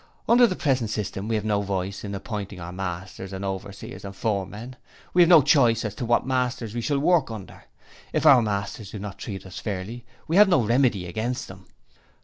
Under the present system we have no voice in appointing our masters and overseers and foremen we have no choice as to what master we shall work under. If our masters do not treat us fairly we have no remedy against them.